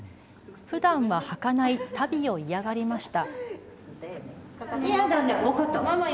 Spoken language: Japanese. ふだんははかない足袋を嫌がりました。